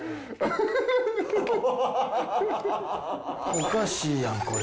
おかしいやんこれ。